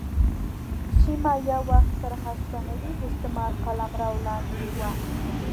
سیمه یو وخت تر هسپانوي استعمار قلمرو لاندې وه.